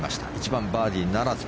１番、バーディーならず。